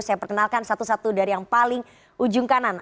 saya perkenalkan satu satu dari yang paling ujung kanan